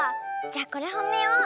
じゃこれほめよう。